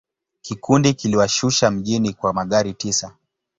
Kikundi kiliwashusha mjini kwa magari tisa.